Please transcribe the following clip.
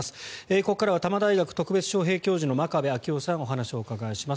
ここからは多摩大学特別招へい教授の真壁昭夫さんにお話を伺います。